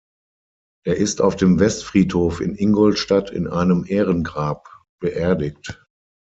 Er ist auf dem Westfriedhof in Ingolstadt in einem Ehrengrab beerdigt.